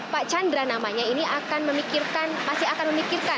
pak chandra namanya ini akan memikirkan pasti akan memikirkan